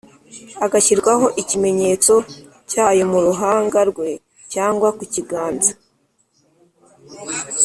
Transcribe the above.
agashyirwaho ikimenyetso cyayo mu ruhanga rwe cyangwa ku kiganza,